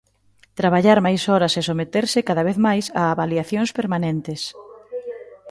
Traballar máis horas e someterse cada vez máis a avaliacións permanentes.